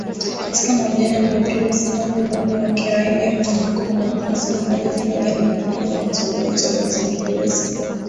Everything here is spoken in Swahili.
Katika mahojiano ya Jumapili, msemaji wa 'Umoja wa Kiraia kwa Mabadiliko' alisema hawajafurahishwa na upendeleo wa tume ya uchaguzi na polisi